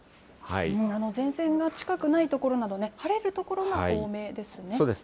前線が近くない所など、晴れる所が多めですね。